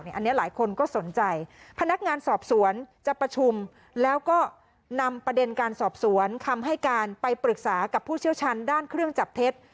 อันนี้หลายคนก็สนใจพนักงานสอบสวนจะประชุมแล้วก็นำประเด็นการสอบสวนคำให้การไปปรึกษากับผู้เชี่ยวชาญด้านเครื่องจับเท็จ